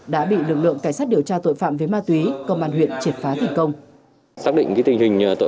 đã bị lực lượng cảnh sát điều tra tội phạm về ma túy công an huyện triệt phá thành công